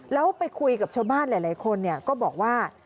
แล้วไปคุยกับชาวบ้านหลายคนก็บอกว่า